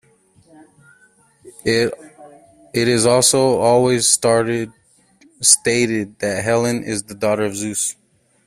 It is also always stated that Helen is the daughter of Zeus.